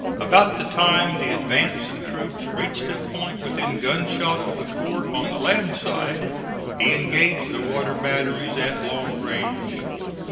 About the time the advance of troops reached a point within gunshot of the fort on the land side, he engaged the water batteries at long range.